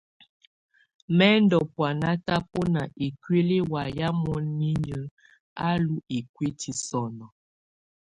Mɛ̀ ndù bɔ̀ána tabɔna ikuili wamɛ̀á munyinyǝ á lu ikuiti sɔnɔ.